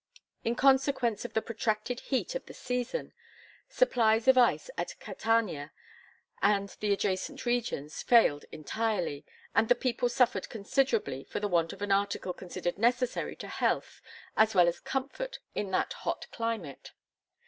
In consequence of the protracted heat of the season, supplies of ice at Catania and the adjacent regions failed entirely, and the people suffered considerably for the want of an article considered necessary to health as well as comfort in that hot climate.